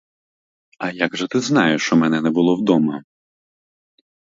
А як же ти знаєш, що мене не було дома?